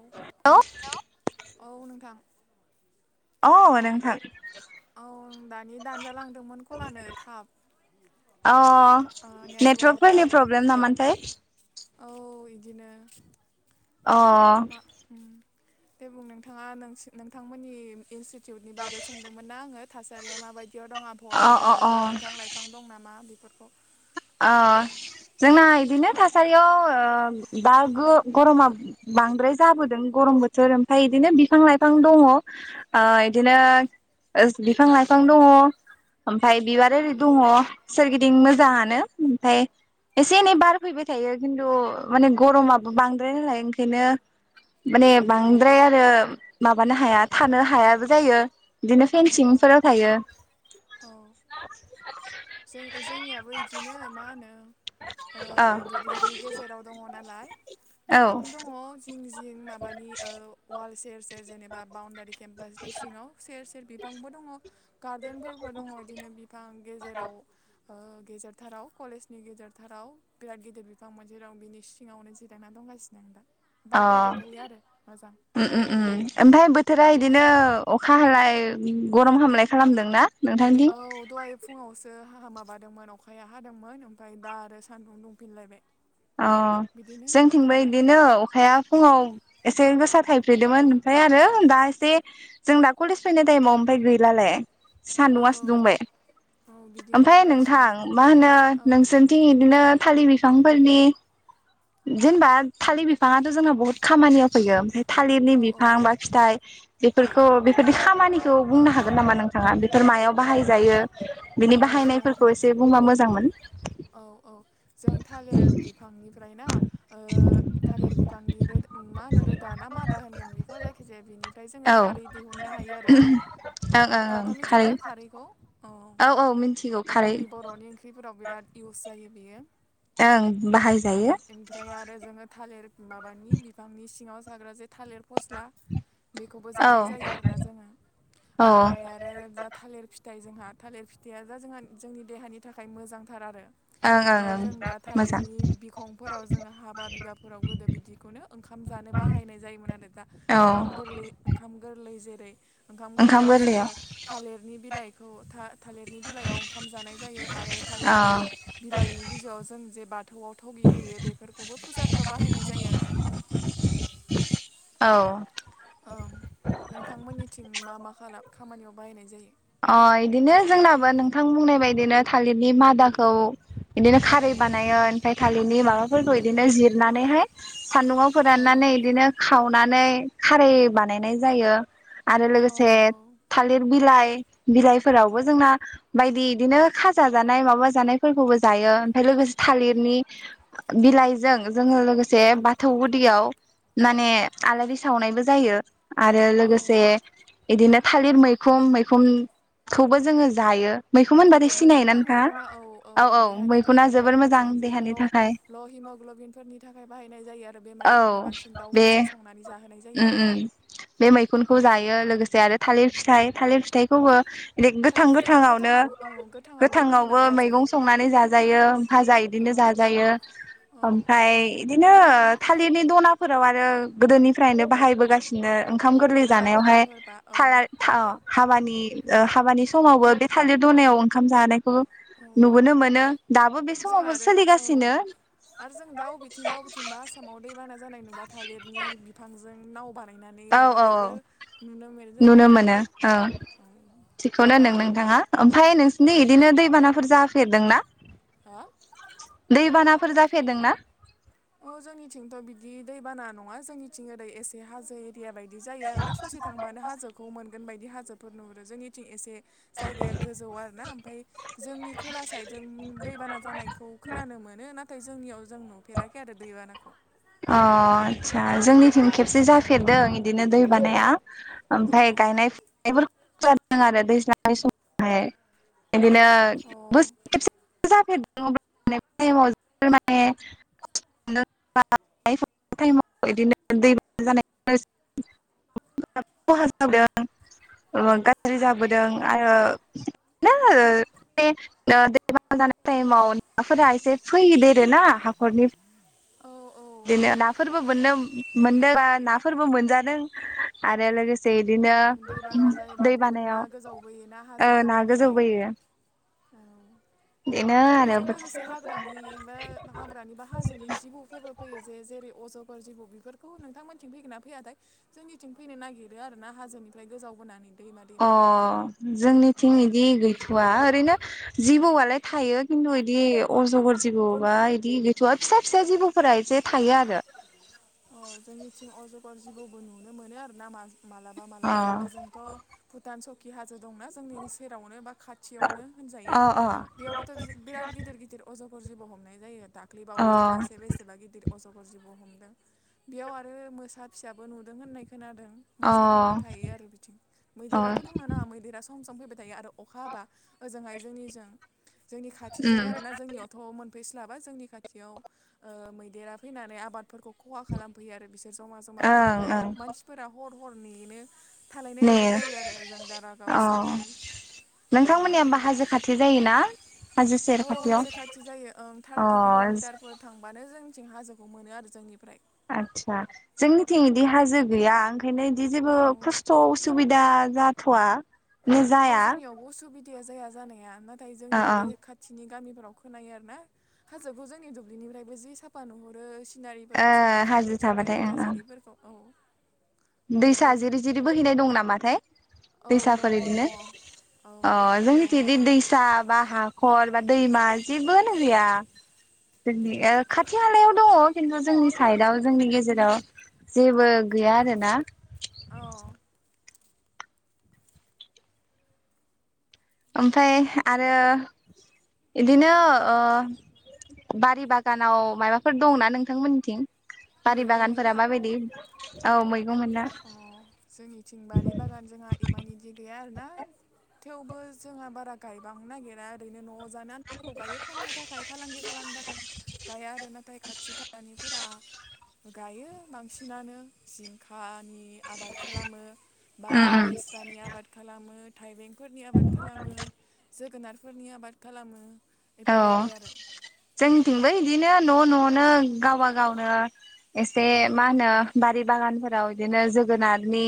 औ हेलौ औ नोंथां। अ नोंथां। औं दानि दानजालांदोंमोन खलानो थाब अ ओ नेटवर्कआ नेटवारकफोरनि प्रब्लेम नामाथाय। औ इदिनो अ मा उम दे बुं नोंथाङा नोंसो नोंथांमोननि इन्स- टिउटनि बागै सोंदोंमोन ना आङो थासारिया माबायदियाव दं आबहावाफोरा अ अ बा बिफां लाइफां दं नामा बेफोर- खौ। आ। जोंना इदिनो थासारियाव ओम दा गो गरमा बांद्राय जाबोदों ग गरम बोथोर ओमफाय बिदिनो बिफां लाइफां दङ ओ इदिनो ओस बिफां लाइफां दङ ओमफाय बिबार आररि दङ सोरगिदिं मोजाङानो। ओमफाय। एसे एनै बार फैबाय थायो खिन्थु माने गरमाबो बांद्राय नालाय ओंखायनो औ माने बांद्राय आरो माबानो हाया थानो हायाबो जायो। बिदिनो औ औ फेनसिंफोराव थायो। औ जों इ जोंनियाबो इदिनो मा होनो। ओ अ दुब्लिनि गेजेराव दङ नालाय औ बिफां दङ जिं जि- इं माबानि ओ वाल सेर सेर जेनेबा बाउडारि केम्पासनि सिङाव सेर सेर बिफांबो दङ गार्देनफोरबो दङ इदिनो बिफां दाउ। ओ गेजेरथाराव कलेजनि गेजेरथाराव बिराद गिदिर बिफां मोनसेे दं बिनि सिङावनो जिरायना दं। लायसिनो नोंथां। अ उम उम उम ओमफाय बोथोरा इदिनो अखा हालाय गरम हामलाय खालामदों ना? औ दहाय फुङावसो। हाहा माबादोंमोन अखाया हादोंमोन ओमफाय दा आरो सानदुं दुंफिनलायबाय। अ बिदिनो जोंथिंबो आरो इदिनो अखाया फुङाव एसे गोसा थायफ्रिदोंमोन ओमफाय आरो दा एसे जों दा कलेज फैनाय टाइमाव ओमफाय गैलालाय औ सानदुंवासै दुंबाय औ बिदिनो ओमफाय नोंथां जागासिनो मा होनो औ नोंसोरनिथिं इदिनो। थालिर बिफांफोरनि जेनेबा थालिर बि- फाङआथ' जोंहा बहुत खामानियाव फैयो ओमफाय थालिरनि औ औ बिफां बा फिथाइ बेफोरखौ बेफोरदि खामानिखौ बुंनो हागोन नामा नोंथाङा बेफोर मायाव बाहायजायो बिनि औ बाहायनायफोरखौ नोंथां एसे बुंबा मोजांमोन औ औ जों थालिर बिफांनिफ्राय ना ओ थालिर बिफांनि रोद- मा होनो रोदा ना मादा होनगोन बेखौ जायखि जाया बिनि- फ्राय जोङो औ खारै ओं दिहुननो हायो आरो ओं ओं नोंथाङाथ' मिथिगौ खारै ना खारैखौ औ औ मिन्थिगौ खारै जोंनि बर'नि ओंख्रिफोराव बिराद इउस जायो बेयो ओं ओ बाहायजायो इमफ्राय आरो जो थालिर माबानि बिफांनि सिङाव जाग्रा जे थालिर फस्ला बेखौबो औ जानाय जायो आरोना जोङो ओं ओमफ्राय आरो जा थालिर फि- थाइ जोंहा थालिर फिथाइया जा जोंहा जोंनि देहानि थाखाय मोजांथार आरो ओं ओमफाय जों ओं दा मोजां थालिरनि बिखंफोराव जोङो हाबा बिबाफोराव गोदो बिदिखौनो ओंखाम जानो बा- हायनाय जायोमोन आरो दा औ ओंखाम गोरलै ओंखाय गोरलै जे ओंखाम गोरलैयाव जोङो थालिरनि बिलाइखौ था थालिरनि बिलाइयाव ओंखाम जानाय जायो आरो औ थालिरनि बिलाइनि बिजौआव जों जे बाथौआव थगि होयो बेफोरखौबो फुजाफोराव बाहायनाय जायो आरो औ ओ नोंथांमोननिथिं मा मा खालाम खामानियाव बाहायनाय जायो अ इदिनो जोंनाबो नोंथां बुंनाय बायदिनो थालिरनि मादाखौ इदिनो खारै औ बानायोन ओमफाय थालिरनि माबाफोरखौ इदिनो जिरनानैहाय सान्दुंङाव औ फोराननानै इदिनो खावनानै खारै बानायनाय जायो आरो औ लोगोसे औ थालिर बिलाइ बिलाइफोरावबो जोंना बायदि इदिनो खाजा जानाय माबा जानायफोरखौबो जायो ओमफ्राय लोगो थालिरनि बिलाइजों जोङो लोगोसे बाथौ गुदियाव माने आलारि सावनायबो जायो। आरो औ लोगोसे बिदिनो थालिर मैखुन मैखुनखौबो जोङो जायो‌। बुहुत मोजां ना मैखुना। औ औ देहानि मैखुना थाखाय बिराद जोबोर मोजां जे ल देहानि थाखाय ल हि हिमग्ल'बिनफोरनि थाखाय बाहायनाय जायो आरो औ बेमारिफोरनो बांसिन बे दाउफोरजों संनानै जाहोनाय जा उम उम बे मैखुनखौ जायो लोगोसे आरो थालिर फिथाइ, थालिर फिथाइखौबो थालिर गोथां फिथाइयाथ' गोथांङावनो गोथाङाबो औ गोथाङाबो गोथांङावबो गोमोनाबो जाजायो मैगं संनानै जाजायो भाजा औ बिदिनो जाजायो, औ औ ओमफ्राय इदिनो थालिरनि दनाफोराव आरो गोदोनिफ्रायनो बाहायबोगासिनो। ओंखाम गोरलै हाबा जानायावहाय बिबाफोरबा औ थाल हाबानि हाबानि समावबो बे थालिर दनायाव ओंखाम जानाय औ नुबोनो मोनो। दाबो बे जों समावबो आरो औ सोलिगासिनो। आरो जों दा अबेथिंबा अबेथिंबा आसामाव दैबाना जानाय नुबा थालिरनि बिफांजों नाव बा नायनानै औ औ माबानायबो नुनो मोन्नाय जायोना नुनो मोनो नोंथां। औ थिगखौनो होनदों नोंथाङा ओमफ्राय औ नोंसोरनि इदिनो दैबानाफोर जाफेरदोंना? हा दैबानाफोर जाफेरदों ना? अ जोंनिथिंथ' बिदि दैबाना नङा, जोंनिथिं ओरै एसे हाजो या बायदि जायो आरोना ससे थांबानो हाजोखौ मोनगोन बायदि हाजोफोर नुहुरो जोंनिथिं एसे जायगाया गोजौ आरोना ओमफ्राय जोंनि खोला साइदजों दैबाना जानायखौ खोनानो मोनो ना नाथाय जोंनियाव जों नुफेराखै आरो दैबानाखौ। अ आचसा जोंनिथिं खेबसे जाफेरदों इदिनो दै बानाया। अ ओमफ्राय गायनाय [unintelligible] फुनायफोरखौ जादों आरो दैज्लांनि समावहाय। बिदिनो अ [unintelligible] जाफेर [unintelligible] [unintelligible] [unintelligible] गाज्रि जाबोदों अ आरो [unintelligible] [unintelligible] टाइमाव नाफोरा एसे [unintelligible] ना हाखरनि औ औ बिदिनो नाफोरबो बोननोब मोननोबा नाफोरबो मोनजादों आरो लोगोस जे इदिनो, ओं दैबाना जायोबा दै बुहुद ना बानायाव गोजावबोयो ना ओ ना हाजोफोरनिफ्राय गोजावबोयो। [unintelligible] आरो बेजों लोगोसे हाग्रानि मो हाग्रानि बा हाजोनि जिबौ फोरबो फैयो जे जेरै अज'गर जिबौ बेफोरखौ नोंथांमोनथिं फैगोन ना फैयाथाय जोंनिथिं फैनो नागिरो आर ना हाजोनिफ्राय गोजाव बोनानै अ जोंनिथिं बिदि गैथ'वा ओरैनो जिबौआलाय थायो खिन्थु इदि अजगर जिबौ बा बिदि गैथवा फिसा फिसा जिबौफोरा एसे बे थायो आरो। अ जोंनिथिं अजगर जिबौबो नुनो मोनो आरो ना मास मालाबा मालाबा अ ओजोंथ' भुटान सकि हा जोंथिं दंना जोंनि सेरावनो बा खाथियावनो होनजायो अ बेयावबोथ जिब' बिराद गिदिर गिदिर अजगर गर जिबौ' हमनाय जायो। दाख्लै अ बावैसो मासे बेसेबा गिदिर अजगर जिबौ' हमदों। बेयाव आरो मोसा फिसाबो नुदों होननाय खोनादों। मोसाफोरबो अ थायो आरो बिथिं। अ मैदेराथ' बुंनो नाङा, मैदेरा सम सम फैबाय थायो आरो अखा हाबा, ओजोंहाय जोंनिजों जोंनि खाथिजों उम आरोना जोंनियावथ मोन फैस्लाबा, जोंनि खाथियाव ओ मैदेरा फैनानै आबादफोरखौ खहा खालाम फैयो आरो बिसोर जमा जमा फैनानै ओं बेयाव ओं मानसिफोरा हर हर नेनो थालायनाय नै बायदि जायो आरो ओजों अ औ नोंथांमोननिया बा हाजो खाथि जायोना? हाजो सेर औ खाथियाव हाजो खाथि जायो। ओं अ थार्टि किल'मिटारफोर थांबानो जोंथिं हाजो मोनो आरो जोंनिफ्राय। आच्छा, जोंनिथिं इदि हाजो गैया ओंखायनो इदि जेबो अ खस्थ', उसुबिदा जाथ'वा। नो औ जाया जोंनियावबो उसुबिदाया जाया जानाया, नाथाय ओ जोंनि ओ बे खाथिनि गामि आव खोनायो आरोना। हाजोखौ जोंनि दुब्लिनिफ्रायबो जि साफा नुहुरो। सि ओ सिनारिफोरखौ समायना हाजो मिथिंगानि थाबाथाय ओं ओं थासारिफोरखौ औ। दैसा दुब्लिफोर जिरि जिरि बोहैनाय दं नामाथाय? औ दङ दैसाफोर दङ इदिनो? औ अह जोंनिथि दङ इदि दैसा बा हा खर बा दैमा जेबोयानो गैया ओ खाथि खाहालायाव दङ। खिन्थु जोंनि साइदाव जोंनि गेजेराव जेबो गैया आरोना। अ ओमफाय आरो इदिनो ओ बारि बागानाव मायबाफोर दंना नोंथांमोननिथिं? बारि मैगं बागानफोरा माबायदि, औ मै अह, जोंनिथिं बारि बागान जोंहा इमान इदि गैया आरोना। थेवबो जोंहा बारा गायबांनो नागिरा ओरैनो न'वाव जानो आनथाखौ गायो फाननो थाखाय फालांगि खालामनो थाखाय गाया आरोनाथाय खाथि खालानिफोरा गायो बांसिनानो जिंखानि नि आबाद खालामो बा उम उम लेस्रानि आबाद खालामो थाइबें फोरनि आबाद खालामो, जोगोनारफोरनि आबाद खालामो। औ बेफोरबायदि आरो जोंथिंबो इदिनो न' न'वावनो गावबा गावनो एसे औ मा होनो बारि बागानफोराव इदिनो जोगोनारनि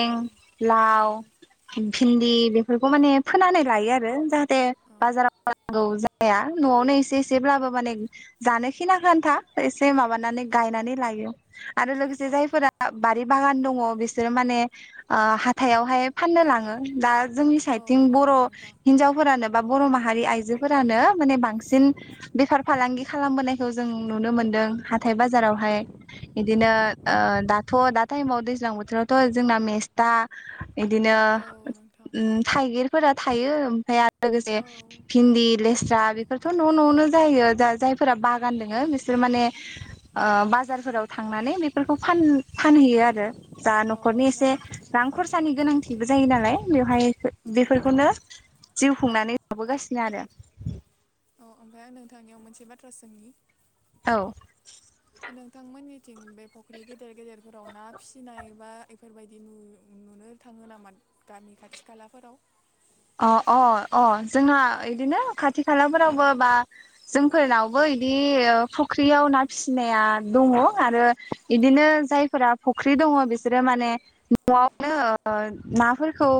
औ औ लाव फिन फिन्दि बेफोरखौ माने फोनानै लायो आरो जाहाथे बाजाराव बायनांगौ जाया। न'वावनो एसे एसेब्लाबो माने जानो खिनाखो आन्था एसे से माबानानै औ गायनानै लायो आरो लोगोस से जायफोरा बारि बागान दङ बिसोरो माने आ हाथायावहाय फाननो लांङो। दा जोंनि औ साइडथिं बर' औ नोंथां हिनजावफोरानो बा बर' मा हारि आइजोफोरानो माने बांसिन बेफार फालांगि खालामबोनायखौ जों नुनो मोनदों हा थाइ बाजारावहाय। इदिनो ओ दाथ' दा टाइमाव दैज्लां बोथोरावथ' जोंना मेस्ता ता, इदिनो औ नोंथां उम थाइगिरफोरा थायो ओमफाय आरो लोगोसे औ भिन्दि, लेस्रा बेफोरथ' न' न'वावनो जायो जायफोरा बागान दोंङो बिसोर माने ओ बाजारफोराव थांनानै बेफोरखौ फान-फानहैयो आरो। जा औ न'खरनि एसे नोंथां रां खरसानि गोनांथिबो जायो नालाय बेवहाय औ बेफोरखौनो जिउ खुंनानै [inaudible] बोगासिनो आरो। औ ओमफ्राय नोंथांनियाव मोनसे बाथ्रा सोंनि। आरो नोंथांमोननि थिं बे फख्रि गेदेर गेदेरफोराव ना फिसिनाय बा एफोरबायदि नु-नुनो थांङो नामा? गामि खाथि खालाफोराव? अ अ अ जोंहा इदिनो खाथि खालाफोरावबो बा जोंफोरनावबो बिदि ओ औ फख्रियाव ना फिसिनाया दंङ आरो इदिनो जायफोरा फख्रि दंङ बिसोरो माने न'वावनो ओ नाफोरखौ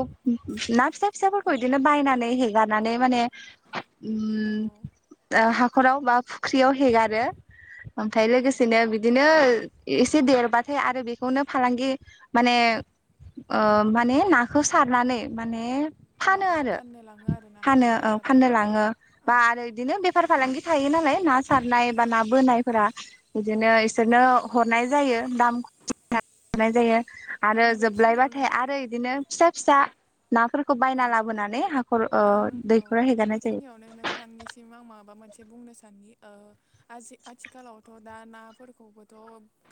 ना फिसा फिसाफोर खौ इदिनो बायनानै हेगारनानै माने औ हाख'राव बा फुख्रियाव हेगारो। ओमफाय लोगोसेनो बिदिनो एसे देरबाथाय आरो बेखौनो फालांगि माने ओ माने नाखो सारनानै माने औ फानो औ आरो। फाननो लाङो आरोना फानो हाथाय ओं बाजाराव फाननो लांङो औ बा आरो इदिनो बे फार फालांगि थायो नालाय ना सारनाय बा ना बोनायफोरा औ इदिनो इसोरनो हरनाय जायो। दाम [unintelligible] जायो। आं आरो बेखिनियावनो जोबलायबाथाय आरो इदिनो फिसा फिसा नाफोरखौ बायना औ लाबोनानै हा आं औ बेखिनियावनो नोंथांनिसिम आं माबा मोनसे बुंनो साननि। ओ आजि आथिखालावथ' दा नाफोरखौबोथ'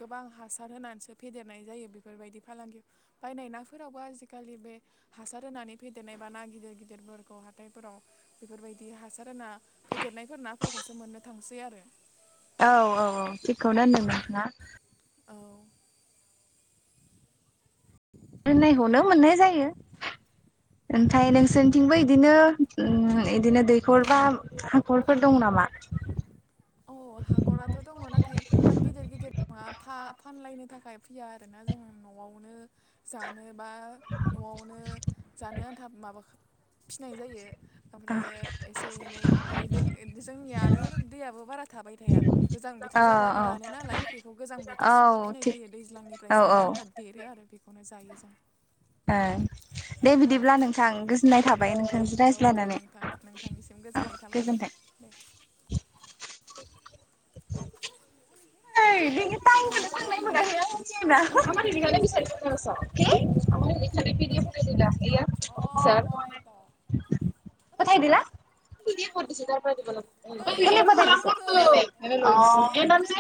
गोबां हासार होनानैसो फेदेरनाय जायो बेफोरबायदि फालांगियाव फिनाय नाफोरावबो आजिखालि बे हासार होनानै फेदेरनायबा ना गिदिर गिदिर गेदेरफोरखौ हाथाइफोराव बेफोरबायदि हासार ना फेदेरनायफोर नाफोरखौसो मोननो थांसै आरो औ औ औ थिकखौनो होनदों नोंथांङा औ दोननायखौनो मोननाय जायो। ओमफ्राय नोंसोरनिथिंबो इदिनो ओ इदिनो दैखर बा हाखरफोर दं नामा? [inaudible] अ हाखराथ' दंङ नाथाय इमान गिदिर गिदिर नंङा फा फानलायनो थाखाय। फैया आरोना जों न'आवनो जानो बा न'आवनो जानो आन्था माबा फिसिनाय जायो ओमफ्रायो औ एसे एनै ओमफ्राय दै जोंनिया आरो दैयाबो बारा थाबाय थाया गोजां बोथोर औ जाबानो रानो नालाय बेखौ गोजां बोथोरसिमल' औ फिसिनाय थिग जायो दैज्लांनिफ्राय औ ज औ ओ जानो आन्था देरो आरो बेखौनो जायो जों। ओं दे बिदिब्ला नोंथां गोजोननाय थाबाय औ नोंथांजों औ दे रायज्लायनानै नोंथां नोंथांनिसिम औ गोजोननाय थाबाय गोजोनथों। दे [unintelligible] अ, [unintelligible] पोवा ना इथं [unintelligible] ओइ एन खालाम कलखौ एन्डानो जाय [unintelligible]